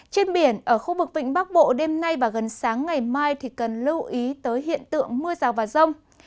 trên biển ở khu vực vịnh bắc bộ đêm nay và gần sáng ngày mai cần lưu ý tới hiện tượng mưa rào và rông